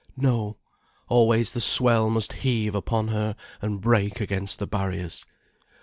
No, always the swell must heave upon her and break against the barriers.